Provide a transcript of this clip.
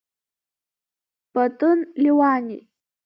Патын Леуани!